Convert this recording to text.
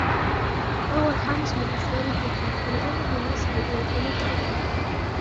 وَهُوَ الْخَامِسُ مِنْ أَسْبَابِ الْأُلْفَةِ فَلِأَنَّهُ يُوصِلُ إلَى الْقُلُوبِ أَلْطَافًا